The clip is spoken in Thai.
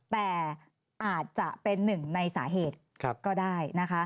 แต่อาจจะเป็นหนึ่งในสาเหตุก็ได้นะคะ